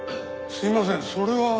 すいませんそれは？